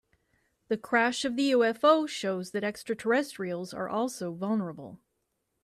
The crash of the UFO shows that extraterrestrials are also vulnerable.